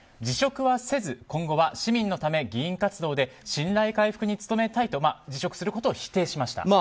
辞職はせず、今後は市民のため議員活動で信頼回復に努めたいと辞職することを否定しました。